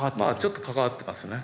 ちょっと関わってますね。